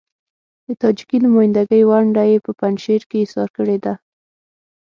د تاجکي نمايندګۍ ونډه يې په پنجشیر کې اېسار کړې ده.